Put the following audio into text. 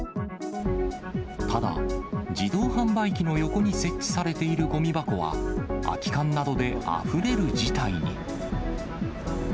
ただ、自動販売機の横に設置されているごみ箱は空き缶などであふれる事態に。